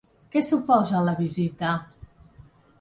Que suposa la visita?